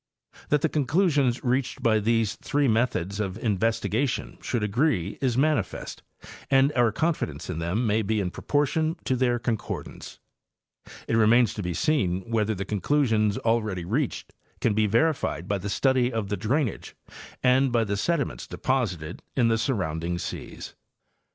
That the conclusions reached by these three methods of in vestigation should agree is manifest, and our confidence in them may be in proportion to their concordance. It remains to be seen whether the conclusions already reached can be verified by the study of the drainage and by the sediments deposited in the surrounding seas.